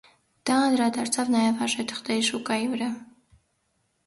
Դա անդրադարձավ նաև արժեթղթերի շուկայի վրա։